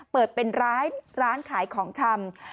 เปิดเป็นร้านขายของชำ